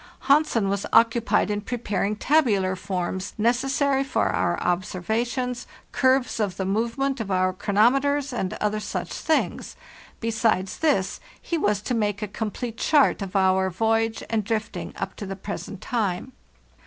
Hansen was occupied in preparing tabular forms necessary for our observations, curves of the movement of our chronometers, and other such things. Besides this, he was to make a complete chart of our voyage and drifting up to the present time.